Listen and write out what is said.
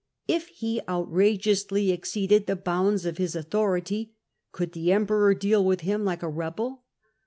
If he outrageously exceeded the bounds of his authority, could the emperor deal with him like a rebel